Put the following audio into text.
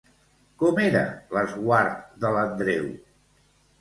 Com era l'esguard de l'Andreu?